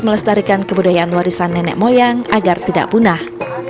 melestarikan kebudayaan warisan nenek moyang agar tidak punah